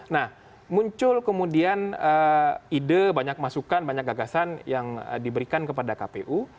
nah muncul kemudian ide banyak masukan banyak gagasan yang diberikan kepada kpu